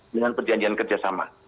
dengan perjanjian kerjasama